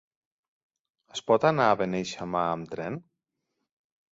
Es pot anar a Beneixama amb tren?